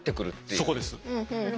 そこです。